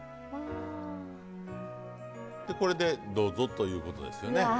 でこれでどうぞということですよね。